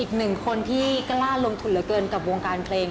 อีกหนึ่งคนที่กล้าลงทุนเหลือเกินกับวงการเพลง